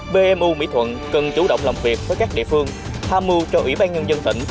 bmu mỹ thuận cần chủ động làm việc với các địa phương tham mưu cho ủy ban nhân dân tỉnh